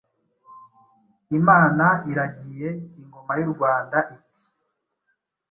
Imana iragiye Ingoma y’u Rwanda iti :